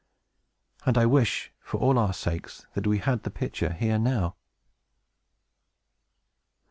And I wish, for all our sakes, that we had the pitcher here now!